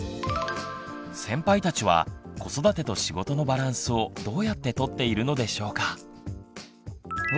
先輩たちは子育てと仕事のバランスをどうやって取っているのでしょうか？